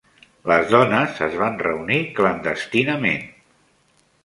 Les dones es van reunir clandestinament.